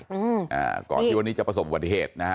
จากก่อนที่วันนี้จะประสบอุบัติเหตุนะครับ